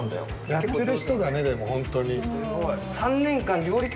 やってる人だねでも本当に。